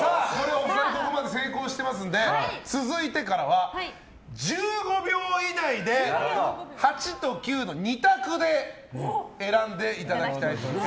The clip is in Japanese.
成功していますので続いては１５秒以内で８と９の２択で選んでいただきたいと思います。